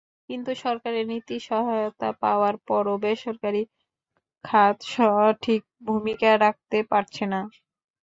কিন্তু সরকারের নীতি-সহায়তা পাওয়ার পরও বেসরকারি খাত সঠিক ভূমিকা রাখতে পারছে না।